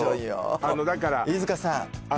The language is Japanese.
あのだから飯塚さん